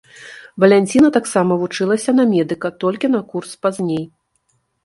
Валянціна таксама вучылася на медыка, толькі на курс пазней.